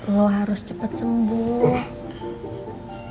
lo harus cepet sembuh